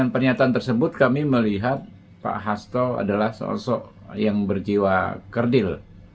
pernyataan tersebut kami melihat pak hasto adalah sosok yang berjiwa kerdil